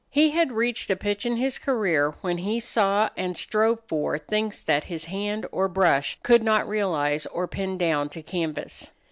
He had reached a pitch in his career when he saw and strove for things that his hand or brush could not realize or pin down to canvas.